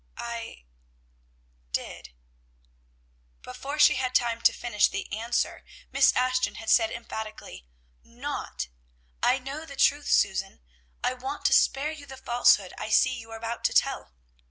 "I d i d." Before she had time to finish the answer, Miss Ashton had said emphatically, "not; I know the truth, Susan! I want to spare you the falsehood I see you are about to tell."